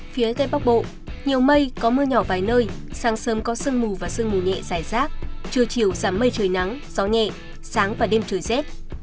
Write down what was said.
phía tây bắc bộ nhiều mây có mưa nhỏ vài nơi sáng sớm có sương mù và sương mù nhẹ gió nhẹ sáng và đêm trời rét